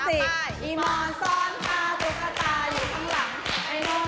อีมอนซ้อนพาตัวตาอยู่ข้างหลัง